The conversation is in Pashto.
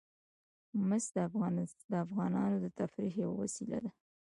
مس د افغانانو د تفریح یوه وسیله ده.